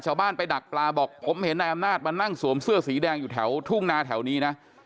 ชาวบ้านไปดักปลาบอกผมเห็นนายอำนาจมานั่งสวมเสื้อสีแดงอยู่แถวทุ่งนาแถวนี้นะ